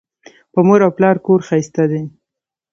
په مور او پلار کور ښایسته دی